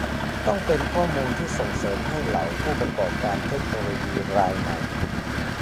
ต้องเป็นข้อมูลที่ส่งเสริมให้เหล่าผู้ประกอบการเทคโนโลยีรายใหม่